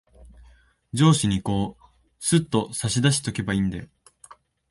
上司にこう、すっと差し出しとけばいんだよ。